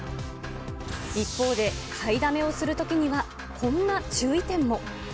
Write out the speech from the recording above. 一方で買いだめをするときにはこんな注意点も。